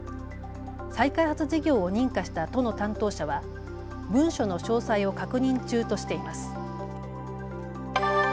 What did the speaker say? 再開発事業を認可した都の担当者は文書の詳細を確認中としています。